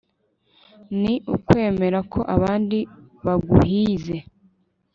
ni ukwemera ko abandi baguhize